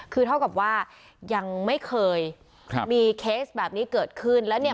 คือเท่ากับว่ายังไม่เคยครับมีเคสแบบนี้เกิดขึ้นแล้วเนี่ย